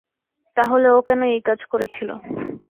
তাহলে ও কেন এই কাজ করেছিল?